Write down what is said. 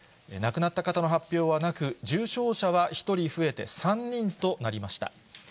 亡くなった方の発表はなく、重症者は１人増えて３人となりました。